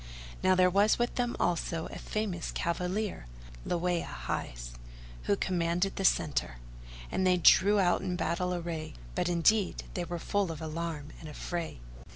Now there was with them also a famous cavalier, Láwiyá hight, who commanded the centre; and they drew out in battle array, but indeed they were full of alarm and affray.